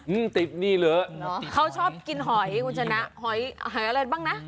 อื้มติดนี่เหลือเนอะเขาชอบกินหอยคุณฉะนั้นหอยหายอะไรบ้างน่ะ